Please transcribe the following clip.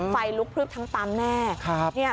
ไฟลุกพลึกทั้งตำแน่